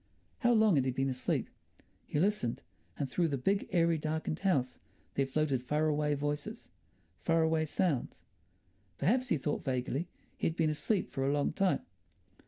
How long had he been asleep? He listened, and through the big, airy, darkened house there floated far away voices, far away sounds. Perhaps, he thought vaguely, he had been asleep for a long time.